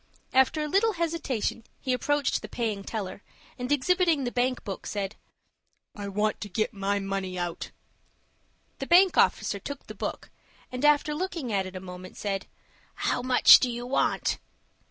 After a little hesitation, he approached the paying teller, and, exhibiting the bank book, said, "I want to get my money out." The bank officer took the book, and, after looking at it a moment, said, "How much do you want?"